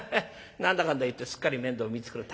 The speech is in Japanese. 何だかんだ言ってすっかり面倒見つくれた。